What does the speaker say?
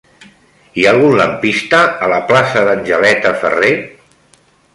Hi ha algun lampista a la plaça d'Angeleta Ferrer?